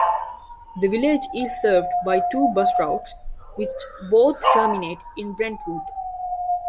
The village is served by two bus routes which both terminate in Brentwood.